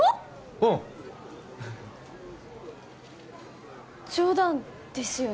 うん冗談ですよね？